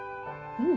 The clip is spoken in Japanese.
うん。